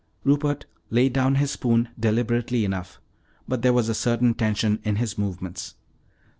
Rupert laid down his spoon deliberately enough, but there was a certain tension in his movements.